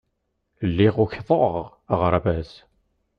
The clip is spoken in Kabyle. Lliɣ ukḍeɣ aɣerbaz.